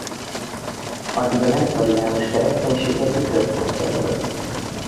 Addig a nesztoriánus kereszténység egyik központja volt.